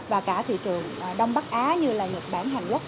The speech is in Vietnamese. và cả thị trường đông bắc á như là nhật bản hàn quốc